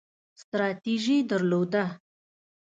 ستراتیژي درلوده